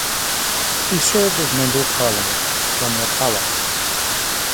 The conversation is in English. He served as Member of Parliament from the Wattala.